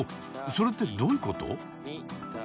それってどういうこと？